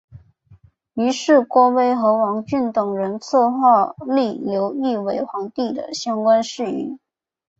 于是郭威和王峻等人策划立刘赟为皇帝的相关事宜。